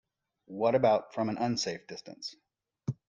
What about from an unsafe distance?